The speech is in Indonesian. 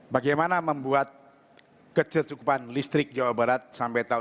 bagaimana membuat kececukupan listrik jawa barat sampai tahun dua ribu dua puluh